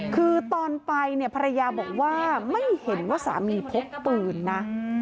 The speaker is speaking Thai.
คือตอนไปเนี่ยภรรยาบอกว่าไม่เห็นว่าสามีพกปืนนะ